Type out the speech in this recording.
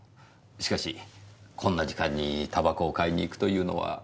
しかしこんな時間にタバコを買いに行くというのは？